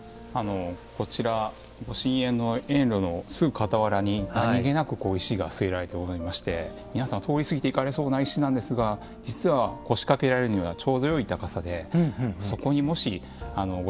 こちらご神苑の園路のすぐ傍らに何気なく石が据えられておりまして皆さん通り過ぎていかれそうな石なんですが実は腰掛けられるにはちょうどよい高さでそこにもし御祭神や。